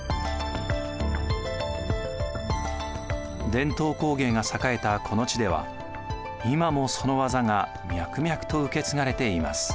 伝統工芸が栄えたこの地では今もその技が脈々と受け継がれています。